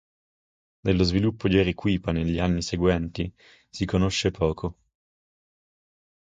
Dello sviluppo di Arequipa negli anni seguenti si conosce poco.